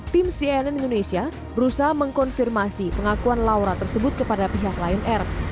tim cnn indonesia berusaha mengkonfirmasi pengakuan laura tersebut kepada pihak lion air